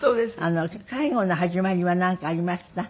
介護の始まりはなんかありました？